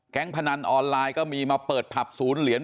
พนันออนไลน์ก็มีมาเปิดผับศูนย์เหรียญ